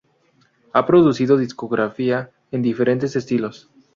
Ha producido discografía en diferentes estilos.